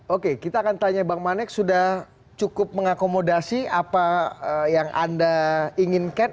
oke kita akan tanya bang manek sudah cukup mengakomodasi apa yang anda inginkan